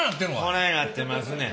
こないなってますねん。